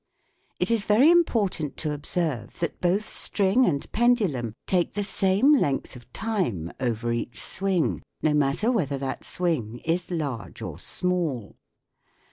It is very important to observe that both string and pendulum take the same length of time over each swing, no matter whether that swing is large or small.